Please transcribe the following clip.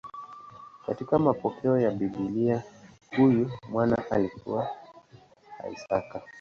Katika mapokeo ya Biblia huyu mwana alikuwa Isaka.